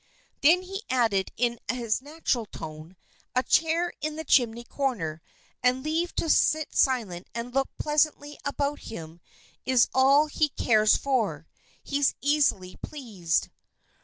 Then he added in his natural tone, "A chair in the chimney corner, and leave to sit silent and look pleasantly about him is all he cares for. He's easily pleased."